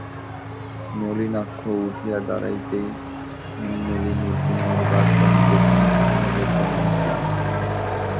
নলিনাক্ষ উঠিয়া দাঁড়াইতেই হেমনলিনী পুনর্বার তাহাকে ভূমিষ্ঠ হইয়া প্রণাম করিল।